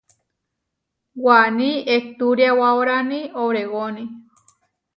Waní ehturiawaoráni obregoni.